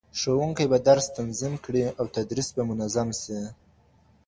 ښوونکی به درس تنظيم کړي او تدريس به منظم سي.